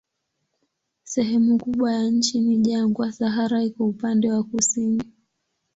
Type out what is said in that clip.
Sehemu kubwa ya nchi ni jangwa, Sahara iko upande wa kusini.